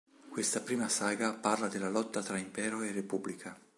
Questa prima saga parla della lotta tra impero e repubblica.